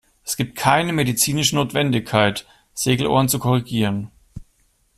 Es gibt keine medizinische Notwendigkeit, Segelohren zu korrigieren.